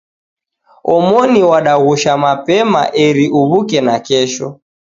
Omoni wadaghusha mapema eri uw'uke nakesho.